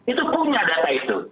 itu punya data itu